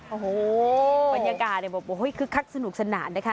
โอ้โหบรรยากาศบอกว่าคือคักสนุกสนานนะคะ